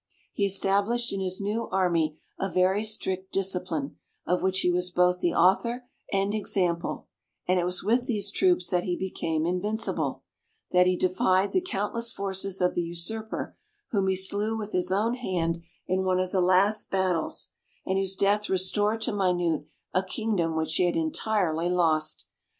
He established in his new army a very strict discipline, of which he was both the author and example; and it was with these troops that he became invincible that he defied the countless forces of the usurper, whom he slew with his own hand in one of the last battles, and whose death restored to Minute a kingdom which she had entirely lost.